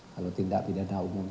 kalau tindak pidana umum